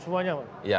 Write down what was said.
malam semuanya pak